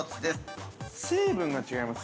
◆成分が違います？